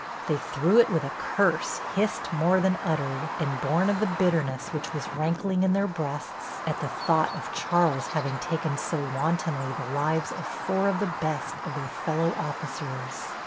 They threw it with a curse hissed more than uttered and born of the bitterness which was rankling in their breasts at the thought of Charles having taken so wantonly the lives of four of the best of their fellow officers.